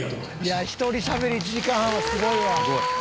「いや１人しゃべり１時間半はすごいわ」